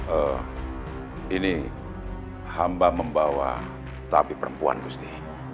eh ini hamba membawa tapi perempuan gusti